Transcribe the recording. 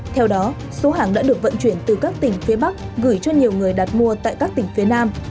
theo đó số hàng đã được vận chuyển từ các tỉnh phía bắc gửi cho nhiều người đặt mua tại các tỉnh phía nam